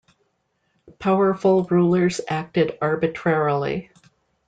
Powerful rulers acted arbitrarily.